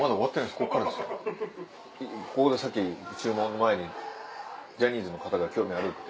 ここでさっき注文前にジャニーズの方が興味あるって。